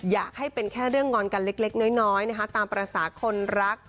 อยากให้เป็นแค่เรื่องงอนกันเล็กน้อยนะคะตามภาษาคนรัก